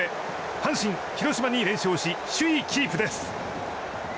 阪神、広島に連勝し首位キープです。